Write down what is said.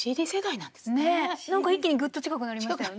なんか一気にグッと近くなりましたよね。